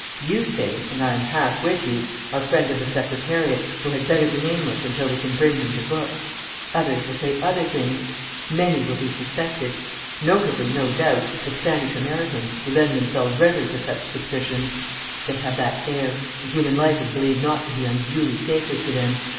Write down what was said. You say (and I am half with you) our friend of the Secretariat, who had better be nameless until we can bring him to book. Others will say other things. Many will be suspected. Notably, no doubt, the Spanish Americans, who lend themselves readily to such suspicions; they have that air, and human life is believed not to be unduly sacred to them.